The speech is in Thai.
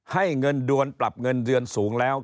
ให้เงินดวนปรับเงินเดือนสูงแล้ว